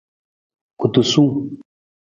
Kutusung.